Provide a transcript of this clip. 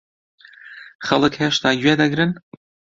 خەڵک هێشتا گوێ دەگرن؟